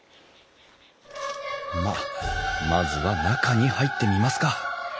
まあまずは中に入ってみますか。